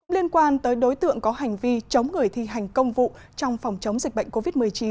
liên quan tới đối tượng có hành vi chống người thi hành công vụ trong phòng chống dịch bệnh covid một mươi chín